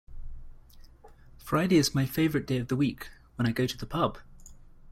Friday is my favourite day of the week, when I go to the pub